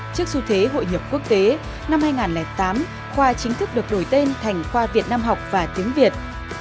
trước xu thế hội nhập quốc tế năm hai nghìn tám khoa chính thức được đổi tên thành khoa việt nam học và tiếng việt